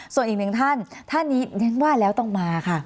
ส่วนอีกหนึ่งท่านท่านนี้ฉันว่าแล้วต้องมาค่ะ